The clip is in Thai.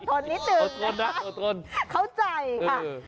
อดทนนิดหนึ่งนะคะเข้าใจค่ะ